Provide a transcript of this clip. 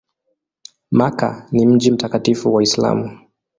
Makka ni mji mtakatifu wa Uislamu.